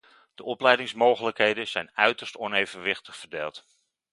De opleidingsmogelijkheden zijn uiterst onevenwichtig verdeeld.